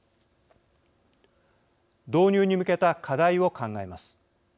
導入に向けた課題を考えます。